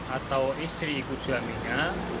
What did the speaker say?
atau istri ikut suaminya